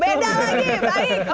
beda lagi baik